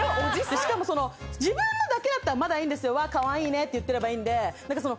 しかも自分のだけだったらまだいいんですよ。わかわいいねって言ってればいいんで。